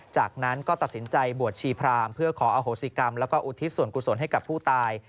จากนั้นก็ตัดสินใจบวชชีพรามเพื่อขออโหสิกรรมแล้วก็อุทิศส่วนกุศลให้กับผู้ตาย